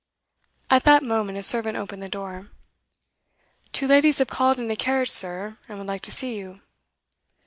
At that moment a servant opened the door. 'Two ladies have called in a carriage, sir, and would like to see you.